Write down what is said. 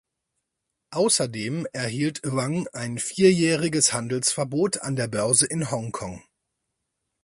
Außerdem erhielt Hwang ein vierjähriges Handelsverbot an der Börse in Hongkong.